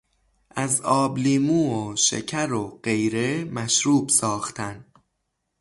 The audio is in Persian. از آب لیمو و شکر و غیره مشروب ساختن